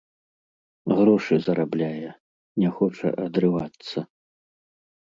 Грошы зарабляе, не хоча адрывацца.